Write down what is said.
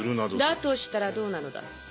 だとしたらどうなのだ？